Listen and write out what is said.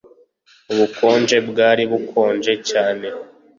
Ubukonje bwari bukonje cyane